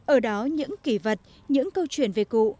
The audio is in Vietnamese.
ở đó những kỷ vật những câu chuyện về cụ